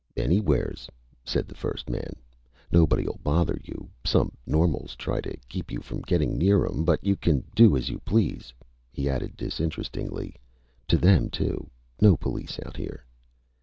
"Anywheres," said the first man. "Nobody'll bother you. Some normals try to keep you from getting near'em, but you can do as you please." He added disinterestedly. "To them, too. No police out here!"